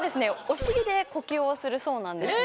お尻で呼吸をするそうなんですね。